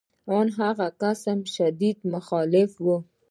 ان هغه کسان شدیداً مخالف وو